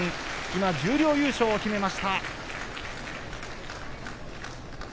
今、十両優勝を決めました。